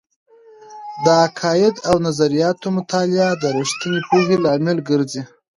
د عقائد او نظریاتو مطالعه د رښتینې پوهې لامل ګرځي.